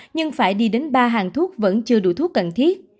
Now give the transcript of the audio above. nhưng phải đi đến ba hàng thuốc vẫn chưa đủ thuốc cần thiết